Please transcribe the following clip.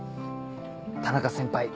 田中先輩